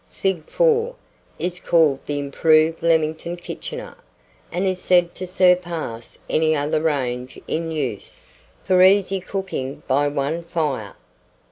Fig. 4, is called the Improved Leamington Kitchener, and is said to surpass any other range in use, for easy cooking by one fire.